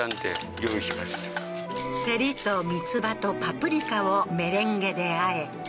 セリと三つ葉とパプリカをメレンゲであえ